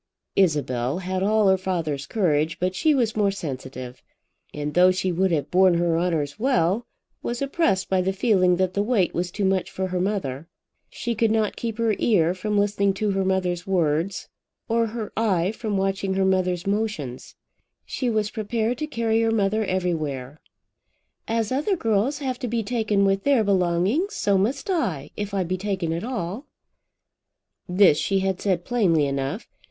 Isabel had all her father's courage, but she was more sensitive; and though she would have borne her honours well, was oppressed by the feeling that the weight was too much for her mother. She could not keep her ear from listening to her mother's words, or her eye from watching her mother's motions. She was prepared to carry her mother everywhere. "As other girls have to be taken with their belongings, so must I, if I be taken at all." This she had said plainly enough.